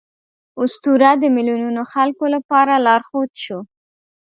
اسطوره د میلیونونو خلکو لپاره لارښود شو.